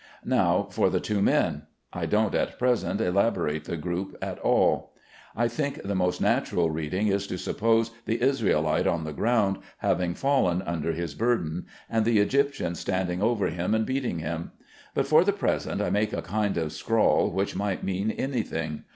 Now for the two men. I don't at present elaborate the group at all. I think the most natural reading is to suppose the Israelite on the ground, having fallen under his burden, and the Egyptian standing over him, and beating him; but for the present, I make a kind of scrawl which might mean any thing.